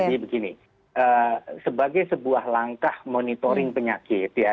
begini sebagai sebuah langkah monitoring penyakit ya